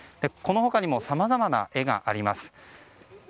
この他にもさまざまな絵があります。